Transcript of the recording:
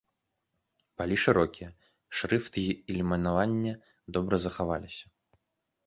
Палі шырокія, шрыфт і ілюмінаванне добра захаваліся.